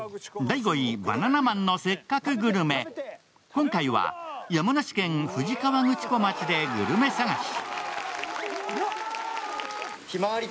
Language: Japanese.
今回は、山梨県富士河口湖町でグルメ探し。